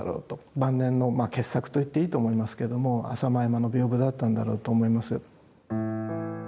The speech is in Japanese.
晩年のまあ傑作と言っていいと思いますけれども浅間山の屏風だったんだろうと思います。